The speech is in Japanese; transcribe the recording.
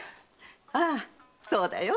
ああそうだよ。